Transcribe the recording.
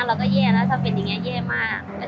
เราก็แย่นะลงทุนอย่างนี้เย่มาก